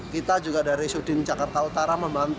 kita juga dari sudin jakarta utara membantu